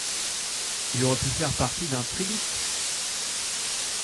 Il aurait pu faire partie d'un Trilithe.